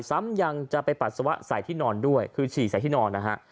ซ้ำยังจะไปปัสสาวะใส่ที่นอนด้วยคือฉี่ใส่ที่นอนนะฮะ